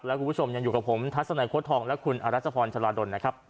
และคุณผู้ชมยังอยู่กับผมทัศนัยโค้ดทองและคุณอรัชพรชลาดลนะครับ